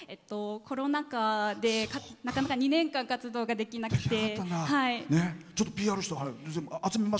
コロナ禍でなかなか２年間活動ができなくて。